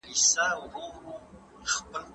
د جنت پر کوثرونو به اوبېږي